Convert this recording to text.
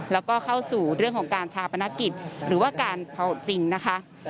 แล้วก็เข้าสู่เรื่องของการชาปนกิจหรือว่าการเผาจริงนะคะ